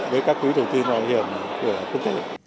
với các quỹ đầu tư mọi quyền của quốc tế